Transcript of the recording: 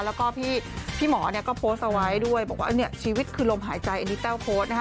แล้วก็พี่หมอเนี่ยก็โพสต์เอาไว้ด้วยบอกว่าเนี่ยชีวิตคือลมหายใจอันนี้แต้วโพสต์นะคะ